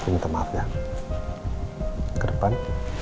minta maaf ya ke depan